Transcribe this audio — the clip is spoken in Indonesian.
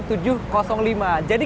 jadi kalau kita hingga sekarang